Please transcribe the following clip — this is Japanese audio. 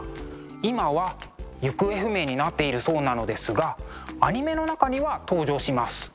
今は行方不明になっているそうなのですがアニメの中には登場します。